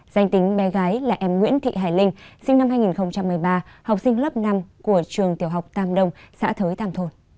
danh tính bé gái là em nguyễn thị hải linh sinh năm hai nghìn một mươi ba học sinh lớp năm của trường tiểu học tàm đông xã thới tam thôn